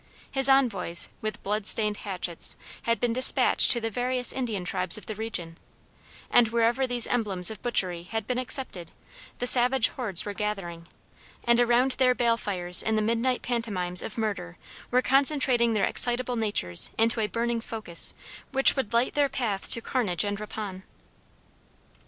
His envoys, with blood stained hatchets, had been despatched to the various Indian tribes of the region, and wherever these emblems of butchery had been accepted the savage hordes were gathering, and around their bale fires in the midnight pantomimes of murder were concentrating their excitable natures into a burning focus which would light their path to carnage and rapine.